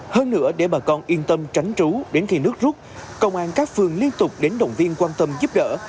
hơn nữa để bà con yên tâm tránh trú đến khi nước rút công an các phường liên tục đến động viên quan tâm giúp đỡ